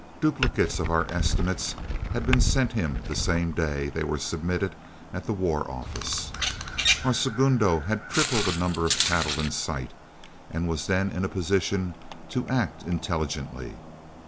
Duplicates of our estimates had been sent him the same day they were submitted at the War Office. Our segundo had triple the number of cattle in sight, and was then in a position to act intelligently.